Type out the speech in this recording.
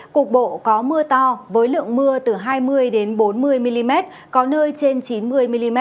cục bộ có mưa to với lượng mưa từ hai mươi bốn mươi mm có nơi trên chín mươi mm